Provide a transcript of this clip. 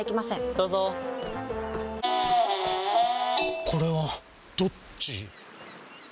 どうぞこれはどっち？